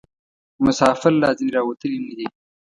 مسافر لا ځني راوتلي نه دي.